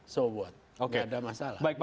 so what gak ada masalah